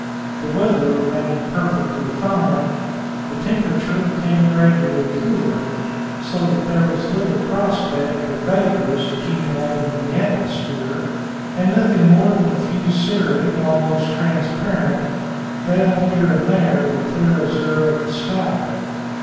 The weather remained perfectly fine, the temperature became gradually cooler, so that there was little prospect of vapors accumulating in the atmosphere; and nothing more than a few cirri, almost transparent, veiled here and there the clear azure of the sky.